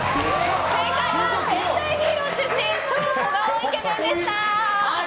正解は、戦隊ヒーロー出身超小顔イケメンでした。